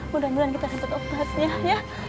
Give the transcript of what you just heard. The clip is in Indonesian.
mudah mudahan kita dapat obatnya ya